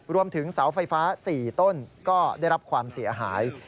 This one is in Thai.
รวมถึงเสาไฟฟ้า๔ต้นก็ได้รับความเสียหาย